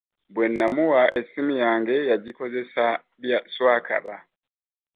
Bwennamuwa essimu yange , yagikozesa bya swakaba .